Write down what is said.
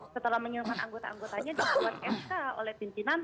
setelah mengirimkan anggota anggotanya disuruh eksa oleh pimpinan